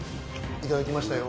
いただきましたよ。